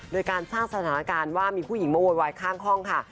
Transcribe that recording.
โดยการสร้างสถานการณ์ว่ามีผู้หญิงมาโวยวายข้างห้องค่ะ